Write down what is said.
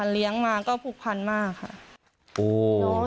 แล้วก็เลี้ยงมาก็ผูกพันธุ์มากค่ะ